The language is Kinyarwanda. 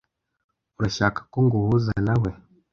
urashaka ko nguhuza nawe